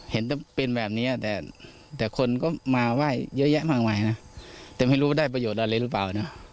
เห็นแต่เป็นแบบนี้แต่คนก็มาไหว้เยอะแยะมากมายนะแต่ไม่รู้ได้ประโยชน์อะไรหรือเปล่านะ